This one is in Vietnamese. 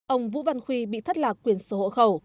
ông vũ văn huy bị thất lạc quyền số hộ khẩu